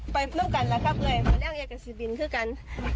ไปนั่งกันล่ะครับเลย